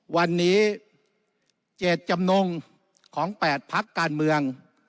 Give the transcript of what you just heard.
วันนี้เจตจำนงของ๘พักการเมือง